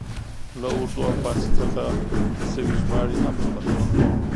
له اردو او پاړسي څخه شوې ژباړې هم شته.